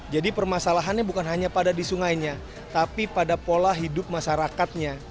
jadi permasalahannya bukan hanya pada di sungainya tapi pada pola hidup masyarakatnya